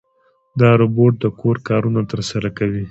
دا روبوټ د کور کارونه ترسره کوي.